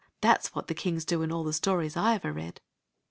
That s what the kings do in all the stories I ever read."